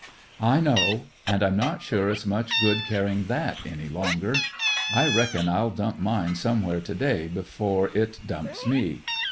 "I know. And I'm not sure it's much good carrying that any longer. I reckon I'll dump mine somewhere to day, before it dumps me.